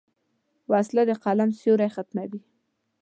وسله د قلم سیوری ختموي